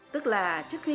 tức là trước khi